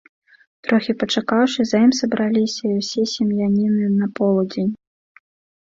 Трохі пачакаўшы, за ім сабраліся й усе сем'яніны на полудзень.